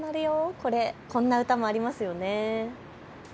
これ、こんな歌もありますよね。